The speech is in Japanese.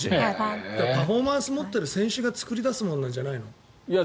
パフォーマンス持っている選手が作り出すものなんじゃないの？